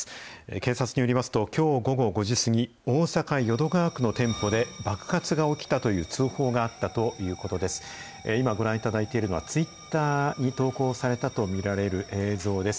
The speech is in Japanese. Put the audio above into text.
警察によりますと、きょう午後５時過ぎ、大阪・淀川区の店舗で爆発が起きたという通報があったということです。